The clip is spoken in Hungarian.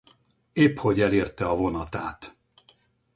Épphogy elérte a vonatát.